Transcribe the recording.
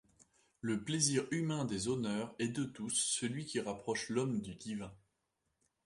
Le plaisir humain des honneurs est de tous celui qui rapproche l’homme du divin.